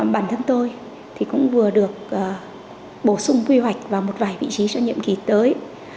bản thân tôi thì cũng vừa được bổ sung quy hoạch vào một vài vị trí cho nhiệm kỳ tới